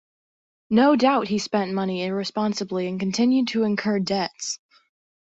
No doubt he spent money irresponsibly and continued to incur debts.